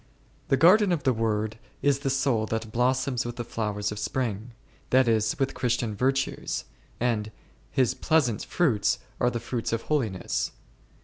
The garden of the Word is the soul that blossoms with the flowers of spring, that is, with Christian virtues, and His pleasant fruits are the fruits of holiness.